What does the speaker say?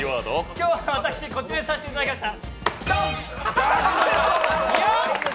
今日、私はこちらにさせていただきました。